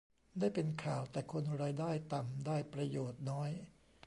ได้เป็นข่าว แต่คนรายได้ต่ำได้ประโยชน์น้อย